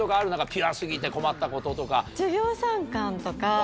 ピュア過ぎて困ったこととか。